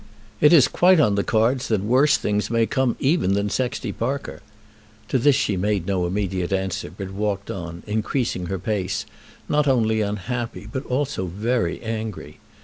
It is quite on the cards that worse things may come even than Sexty Parker." To this she made no immediate answer, but walked on, increasing her pace, not only unhappy, but also very angry.